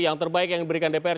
yang terbaik yang diberikan dpr